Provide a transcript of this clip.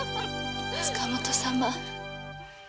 塚本様！